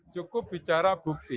cukup bicara bukti